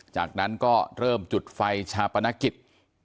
จากนั้นก็เริ่มจุดไฟชาปนกิจ